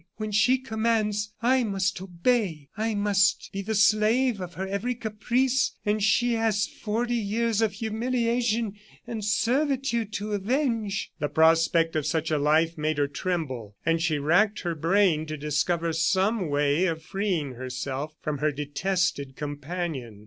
When she commands, I must obey. I must be the slave of her every caprice and she has forty years of humiliation and servitude to avenge." The prospect of such a life made her tremble; and she racked her brain to discover some way of freeing herself from her detested companion.